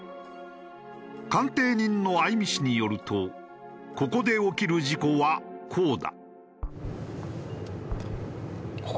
鑑定人の相見氏によるとここで起きる事故はこうだ。